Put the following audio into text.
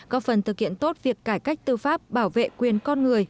góp phần thực hiện tốt việc cải cách tư pháp bảo vệ quyền con người